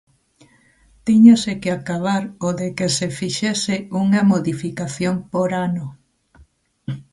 Tíñase que acabar o de que se fixese unha modificación por ano.